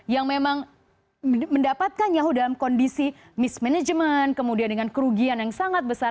yang memang mendapatkan yahoo dalam kondisi mismanagement kemudian dengan kerugian yang sangat besar